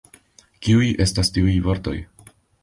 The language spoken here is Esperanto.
Kiuj estas tiuj vortoj?